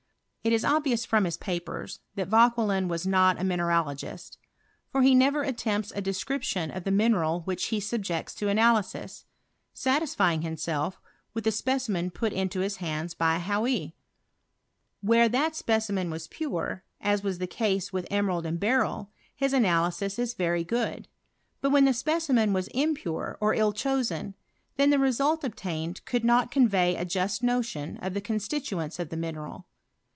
It is obvious from his papers, that Vauquelin Imas not a mineralo^st ; for he never attempts a de .■cription of the mineral which he subjects to analysis, .■satisfying himself with the specimen put into his !)iands by Hauy, Where that specimen was pure, as ^was the case with emerald and beryl, his analysis is ^*ery good ; but when the specimen was impure or iil chosen, then the result obtained could not convey S just notion of the constituents of the mineral.